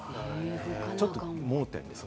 ちょっと盲点ですね。